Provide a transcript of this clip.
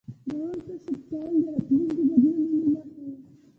د اور کشف کول د راتلونکو بدلونونو نښه وه.